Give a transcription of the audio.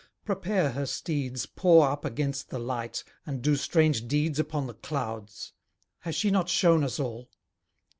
prepare her steeds, Paw up against the light, and do strange deeds Upon the clouds? Has she not shewn us all?